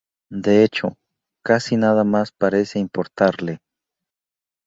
De hecho, casi nada más parece importarle...